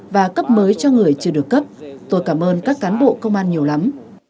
và cấp mới cho người chưa được cấp tôi cảm ơn các cán bộ công an nhiều lắm